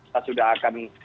saya sudah akan